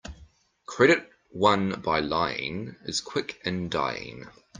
Credit won by lying is quick in dying.